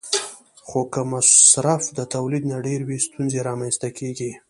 خو که مصرف د تولید نه ډېر وي، ستونزې رامنځته کېږي.